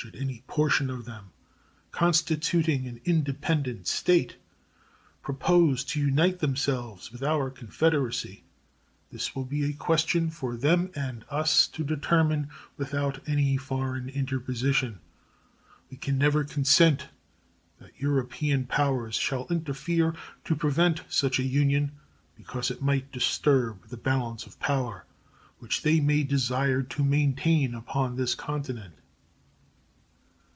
Should any portion of them, constituting an independent state, propose to unite themselves with our Confederacy, this will be a question for them and us to determine without any foreign interposition. We can never consent that European powers shall interfere to prevent such a union because it might disturb the "balance of power" which they may desire to maintain upon this continent.